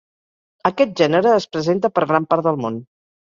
Aquest gènere es presenta per gran part del món.